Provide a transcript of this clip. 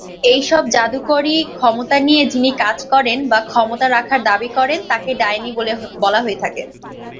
এই সব জাদুকরী ক্ষমতা নিয়ে যিনি কাজ করেন, বা ক্ষমতা রাখার দাবি করেন, তাকে ডাইনি বলা হয়ে থাকে।